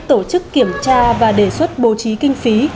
tổ chức kiểm tra và đề xuất bố trí kinh phí